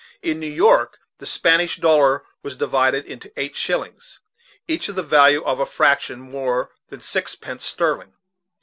In New York the Spanish dollar was divided into eight shillings, each of the value of a fraction more than sixpence sterling.